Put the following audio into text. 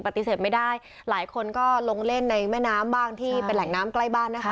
ปฏิเสธไม่ได้หลายคนก็ลงเล่นในแม่น้ำบ้างที่เป็นแหล่งน้ำใกล้บ้านนะคะ